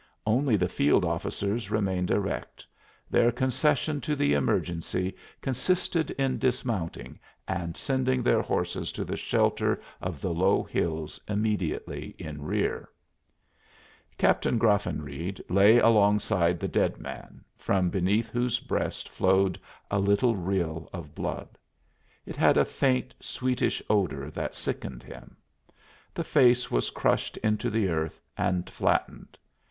Only the field officers remained erect; their concession to the emergency consisted in dismounting and sending their horses to the shelter of the low hills immediately in rear. Captain Graffenreid lay alongside the dead man, from beneath whose breast flowed a little rill of blood. It had a faint, sweetish odor that sickened him. The face was crushed into the earth and flattened.